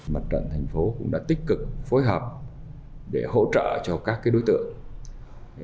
mặt trận thành phố cũng đã tích cực phối hợp để hỗ trợ cho các đối tượng